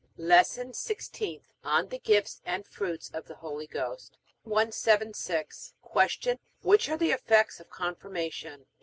LESSON SIXTEENTH ON THE GIFTS AND FRUITS OF THE HOLY GHOST 176. Q. Which are the effects of Confirmation?